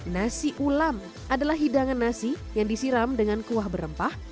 nasi ulam adalah hidangan nasi yang disiram dengan kuah berempah